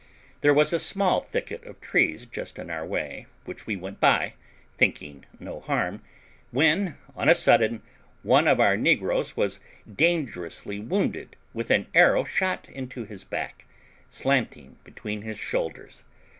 There was a small thicket of trees just in our way, which we went by, thinking no harm, when on a sudden one of our negroes was dangerously wounded with an arrow shot into his back, slanting between his shoulders.